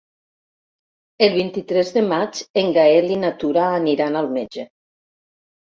El vint-i-tres de maig en Gaël i na Tura aniran al metge.